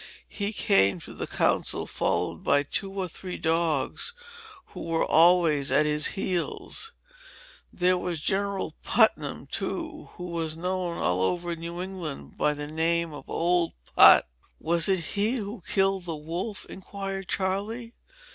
He came to the council, followed by two or three dogs, who were always at his heels. There was General Putnam, too, who was known all over New England by the name of Old Put." "Was it he who killed the wolf?" inquired Charley.